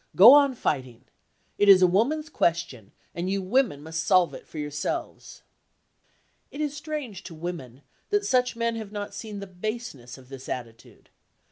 Go on fighting. It is a woman's question, and you women must solve it for yourselves." It is strange to women that such men have not seen the baseness of this attitude.